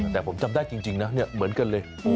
แต่ผมจำได้จริงนะเหมือนกันเลย